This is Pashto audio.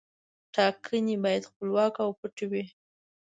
ټاکنې باید خپلواکه او پټې وشي.